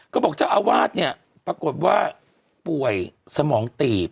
ก็บอกเจ้าอาวาสเนี่ยปรากฏว่าป่วยสมองตีบ